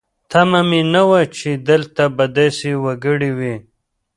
تمه مې نه وه چې دلته به داسې وګړي وي.